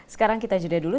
sekarang kita jeda dulu